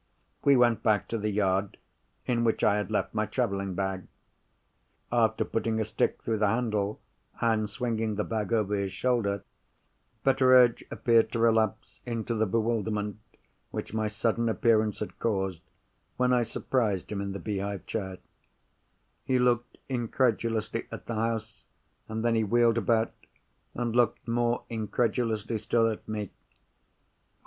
We went back to the yard, in which I had left my travelling bag. After putting a stick through the handle, and swinging the bag over his shoulder, Betteredge appeared to relapse into the bewilderment which my sudden appearance had caused, when I surprised him in the beehive chair. He looked incredulously at the house, and then he wheeled about, and looked more incredulously still at me.